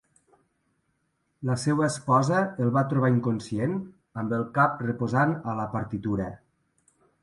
La seva esposa el va trobar inconscient, amb el cap reposant a la partitura.